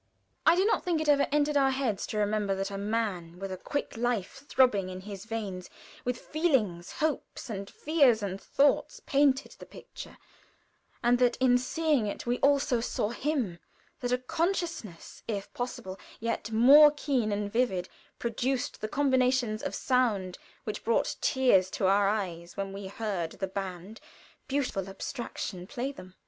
I do not think it ever entered our heads to remember that a man with a quick life throbbing in his veins, with feelings, hopes, and fears and thoughts, painted the picture, and that in seeing it we also saw him that a consciousness, if possible, yet more keen and vivid produced the combinations of sound which brought tears to our eyes when we heard "the band" beautiful abstraction play them!